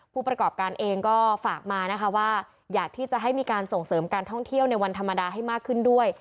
ผู้ประกอบการเองก็ฝากมานะคะว่าอยากที่จะให้มีการส่งเสริมการท่องเที่ยวในวันธรรมดาให้มากขึ้นด้วย